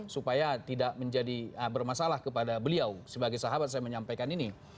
supaya tidak menjadi bermasalah kepada beliau sebagai sahabat saya menyampaikan ini